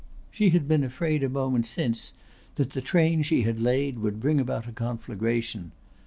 She had been afraid a moment since that the train she had laid would bring about a conflagration.